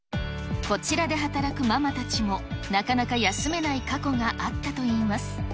こちらで働くママたちも、なかなか休めない過去があったといいます。